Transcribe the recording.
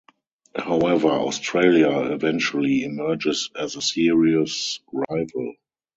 However, Australia eventually emerges as a serious rival.